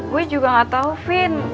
gue juga gak tau fin